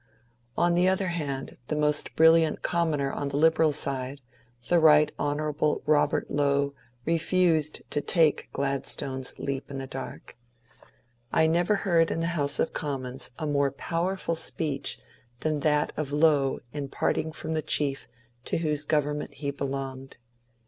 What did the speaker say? On the other hand, the most brilliant commoner on the Liberal side, the Right Hon. Robert Lowe, refused to take Gladstone's ^ leap in the dark." I never heard in the House of Commons a more powerful speech than that of Lowe in parting from the chief to whose government he belonged.